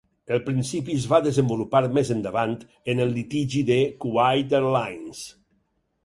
El principi es va desenvolupar més endavant en el litigi de "Kuwait Airlines".